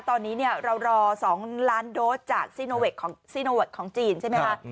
ตอนนี้เนี่ยเรารอ๒ล้านโดสจากซีโนเว็กซ์ของจีนใช่ไหมคะ